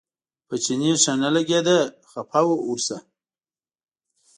په چیني ښه نه لګېده خپه و ورنه.